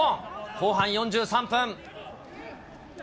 後半４３分。